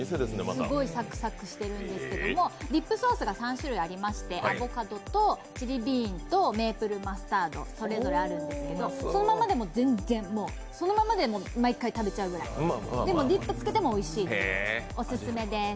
すごいサクサクしてるんですけどもディップソースが３種類ありましてアボカドとチリビーンとメープルマスタード、それぞれあるんですけど、そのままでも全然、そのままでも毎回食べちゃうぐらいでも、ディップをつけてもおいしいオススメです。